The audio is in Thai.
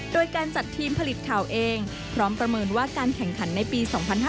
โดยการจัดทีมผลิตข่าวเองพร้อมประเมินว่าการแข่งขันในปี๒๕๕๙